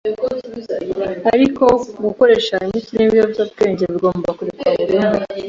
Ariko gukoresha imiti n’ibiyobyabwenge bigomba kurekwa burundu;